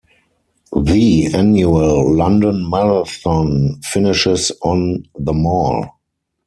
The annual London Marathon finishes on The Mall.